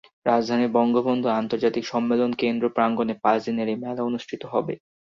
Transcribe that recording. রাজধানীর বঙ্গবন্ধু আন্তর্জাতিক সম্মেলন কেন্দ্র প্রাঙ্গণে পাঁচ দিনের এ মেলা অনুষ্ঠিত হবে।